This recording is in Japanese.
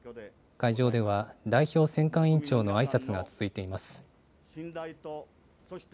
会場では、代表選管委員長のあいさつが続いています。